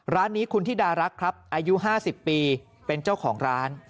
ร้านนี้คุณธิดารักษ์ครับอายุ๕๐ปีเป็นเจ้าของร้าน